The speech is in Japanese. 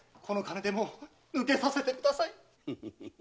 この金でもう抜けさせてください。